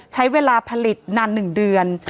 ใช้เวลาผลิตนาน๑เดือน